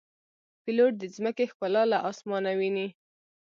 پیلوټ د ځمکې ښکلا له آسمانه ویني.